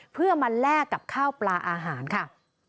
เพื่อมาแลกกับข้าวปลาอาหารค่ะ